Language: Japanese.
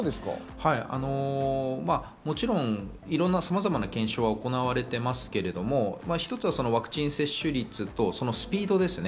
もちろん、さまざまな検証は行われていますけれども、一つはワクチン接種率とスピードですね。